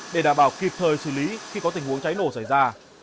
để đảm bảo kịp thời xử lý khi có tình huống cháy nổ xảy ra